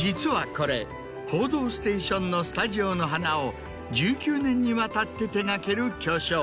これ『報道ステーション』のスタジオの花を１９年にわたって手がける巨匠